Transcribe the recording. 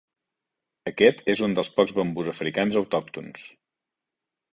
Aquest és un dels pocs bambús africans autòctons.